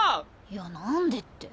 いや何でって。